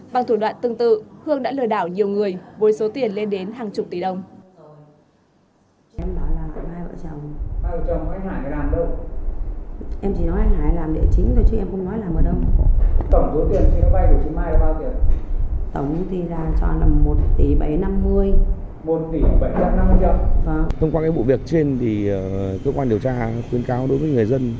bằng thủ đoạn tương tự hương đã lời đảo nhiều người với số tiền lên đến hàng chục tỷ đồng